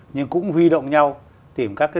nhưng cũng huy động nhau tìm các cái